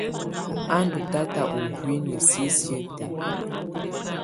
A ndɔ̀ tata ɔ̀ nuiyii sisiǝ́ tɛ̀á.